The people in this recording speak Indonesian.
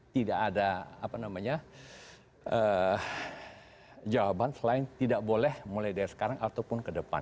tidak ada jawaban selain tidak boleh mulai dari sekarang ataupun ke depan